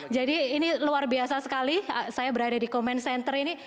jadi ini luar biasa sekali saya berada di comment center ini